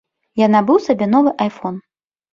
Я набыў сабе новы айфон.